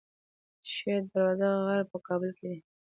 شیر دروازه غر په کابل کې دی